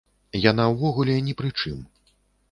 Яна ўвогуле ні пры чым!